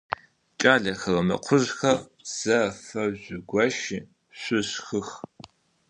Кӏалэхэр, мы къужъхэр зэфэжъугощи, шъушхых!